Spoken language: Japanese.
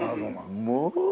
もう。